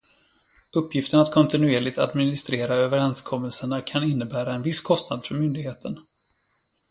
Uppgiften att kontinuerligt administrera överenskommelserna kan innebära en viss kostnad för myndigheten.